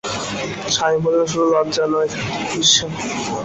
স্বামী বললেন, শুধু লজ্জা নয়, ঈর্ষা।